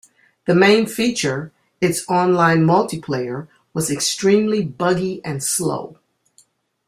The main feature, its online multiplayer, was extremely buggy and slow.